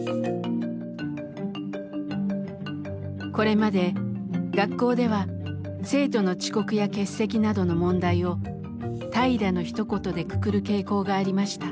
これまで学校では生徒の遅刻や欠席などの問題を「怠惰」のひと言でくくる傾向がありました。